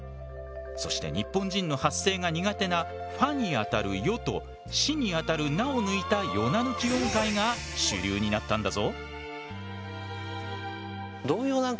そして日本人の発声が苦手なファにあたるヨとシにあたるナを抜いたヨナ抜き音階が主流になったんだぞ。